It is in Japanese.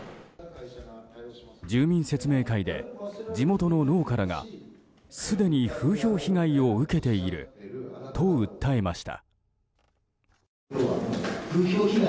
住民説明会で地元の農家らがすでに風評被害を受けていると訴えました。